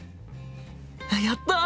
やった！